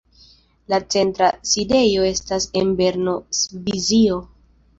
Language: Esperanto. La centra sidejo estas en Berno, Svisio.